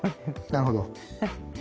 なるほど。